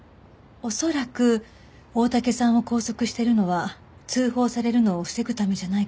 恐らく大竹さんを拘束してるのは通報されるのを防ぐためじゃないかしら。